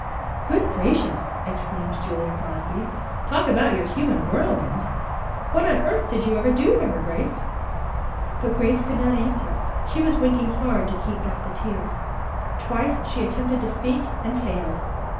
"Good gracious," exclaimed Julia Crosby. "Talk about your human whirlwinds! What on earth did you ever do to her, Grace?" But Grace could not answer. She was winking hard to keep back the tears. Twice she attempted to speak and failed.